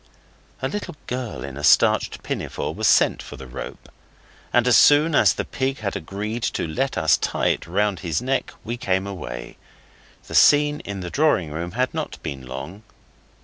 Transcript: A little girl in a starched pinafore was sent for the rope. And as soon as the pig had agreed to let us tie it round his neck we came away. The scene in the drawing room had not been long.